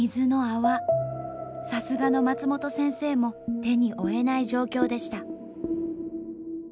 さすがの松本先生も手に負えない状況でした。